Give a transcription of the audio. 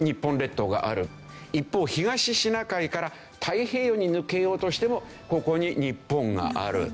一方東シナ海から太平洋に抜けようとしてもここに日本がある。